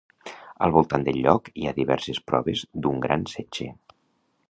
Al voltant del lloc hi ha diverses proves d'un gran setge.